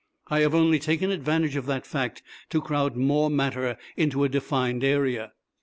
I have only taken advantage of that fact to crowd more matter into a defined area."